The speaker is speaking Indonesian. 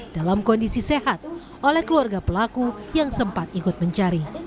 dalam kondisi sehat oleh keluarga pelaku yang sempat ikut mencari